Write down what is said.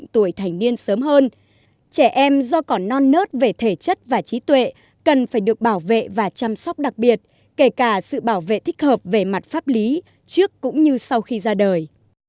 trẻ tuổi trẻ em do còn non nớt về thể chất và trí tuệ cần phải được bảo vệ và chăm sóc đặc biệt kể cả sự bảo vệ thích hợp về mặt pháp lý trước cũng như sau khi ra đời